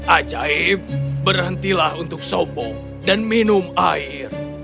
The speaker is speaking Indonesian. ajaib berhentilah untuk sombong dan minum air